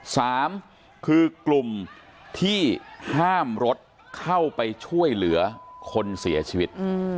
สามคือกลุ่มที่ห้ามรถเข้าไปช่วยเหลือคนเสียชีวิต